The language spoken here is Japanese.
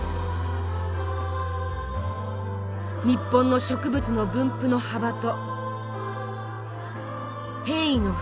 日本の植物の分布の幅と変異の幅。